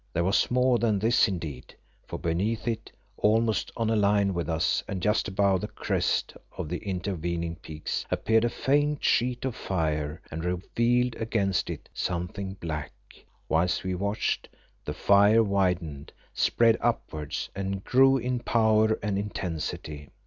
There was more than this indeed, for beneath it, almost on a line with us and just above the crests of the intervening peaks, appeared a faint sheet of fire and revealed against it, something black. Whilst we watched, the fire widened, spread upwards and grew in power and intensity.